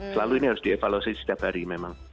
selalu ini harus dievaluasi setiap hari memang